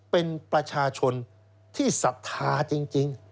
เป็นประชาชนที่ศรัทธาจริง